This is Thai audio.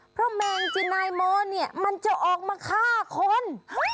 เพราะแมงจินายโมเนี่ยมันจะออกมาฆ่าคน